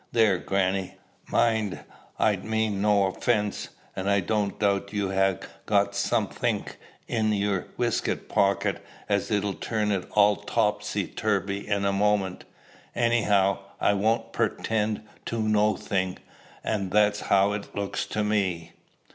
There, grannie! Mind, I mean no offence; an' I don't doubt you ha' got somethink i' your weskit pocket as 'll turn it all topsy turvy in a moment. Anyhow, I won't purtend to nothink, and that's how it look to me."